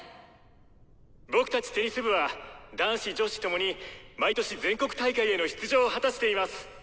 僕たちテニス部は男子女子共に毎年全国大会への出場を果たしています。